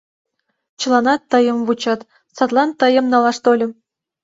Чыланат тыйым вучат, садлан тыйым налаш тольым.